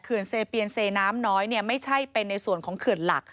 เซเปียนเซน้ำน้อยไม่ใช่เป็นในส่วนของเขื่อนหลัก